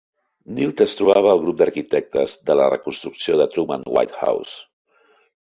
Neild es trobava al grup d"arquitectes de la reconstrucció de Truman White House.